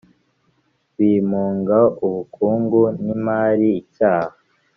bimunga ubukungu n imari icyaha